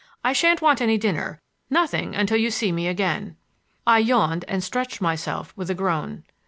I shan't want any dinner,—nothing until you see me again." I yawned and stretched myself with a groan.